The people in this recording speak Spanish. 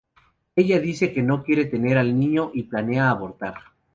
Ella dice que no quiere tener al niño y planea abortar.